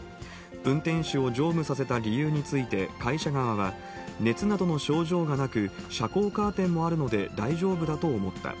運転手を乗務させた理由について、会社側は、熱などの症状がなく、遮光カーテンもあるので大丈夫だと思った。